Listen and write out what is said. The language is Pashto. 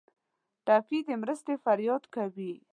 ټپي د مرستې فریاد کوي.